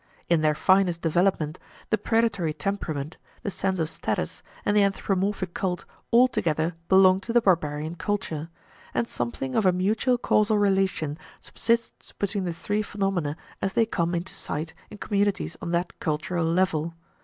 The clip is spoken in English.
In their finest development, the predatory temperament, the sense of status, and the anthropomorphic cult all together belong to the barbarian culture; and something of a mutual causal relation subsists between the three phenomena as they come into sight in communities on that cultural level.